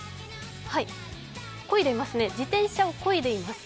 こいでいますね、自転車をこいでいます。